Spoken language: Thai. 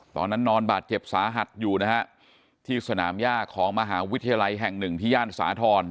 นอนบาดเจ็บสาหัสอยู่นะฮะที่สนามย่าของมหาวิทยาลัยแห่งหนึ่งที่ย่านสาธรณ์